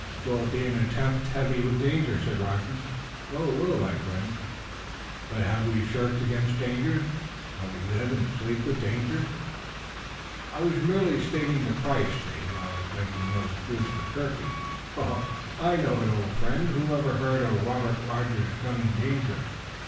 "'Twill be an attempt heavy with danger," said Rogers. "So it will, my friend, but have we shirked dangers? Don't we live and sleep with danger?" "I was merely stating the price, Dave. I was making no excuse for shirking." "I know it, old friend. Whoever heard of Robert Rogers shunning danger?